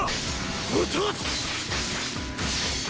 落とす！